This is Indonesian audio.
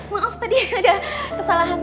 maaf tadi ada kesalahan